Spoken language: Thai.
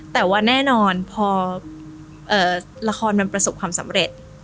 แต่ว่าแน่นอนพอละครมันประสบความสำเร็จ